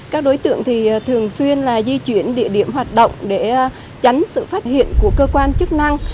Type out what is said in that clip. các đối tượng thường xuyên di chuyển địa điểm hoạt động để tránh sự phát hiện của cơ quan chức năng